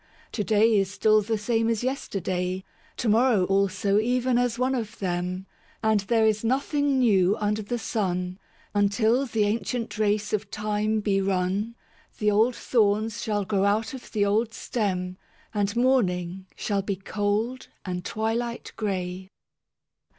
To day is still the same as yesterday, To morrow also even as one of them; And there is nothing new under the sun: Until the ancient race of Time be run, The old thorns shall grow out of the old stem, And morning shall be cold and twilight grey.